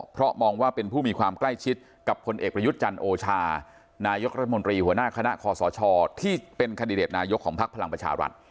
เพราะมองว่าเป็นผู้มีความใกล้ชิดกับพลเอกประยุทธ์จันทร์โอชานายกรัฐมนตรีหัวหน้าคณะคอสชที่เป็นคันดิเดตนายกของพักพลังประชารัฐ